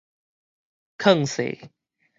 勸世